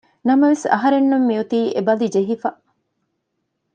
ނަމަވެސް އަހަރެންނަށް މި އޮތީ އެ ބަލި ޖެހިފަ